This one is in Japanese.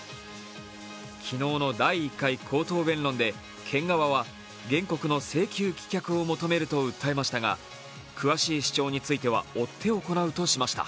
昨日の第１回口頭弁論で県側は原告の請求棄却を求めると訴えましたが、詳しい主張については追って行うとしました。